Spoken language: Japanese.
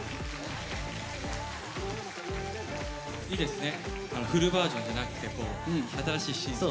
いいですねフルバージョンじゃなくて新しい。